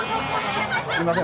すみません